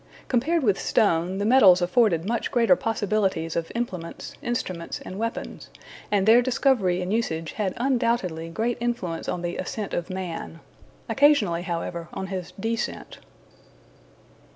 Compared with stone, the metals afforded much greater possibilities of implements, instruments, and weapons, and their discovery and usage had undoubtedly great influence on the Ascent of Man. Occasionally, however, on his descent.